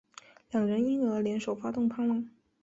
两人因而联手发动叛乱。